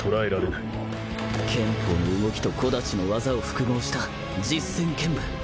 拳法の動きと小太刀の技を複合した実戦剣舞